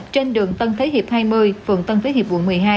trên đường tân thế hiệp hai mươi phường tân thế hiệp quận một mươi hai